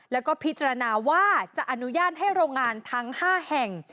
แล้วก็พิจารณาว่าจะอนุญาตให้โรงงานทั้ง๕แห่ง